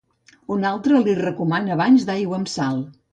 Una altra li recomana banys d'aigua amb sal.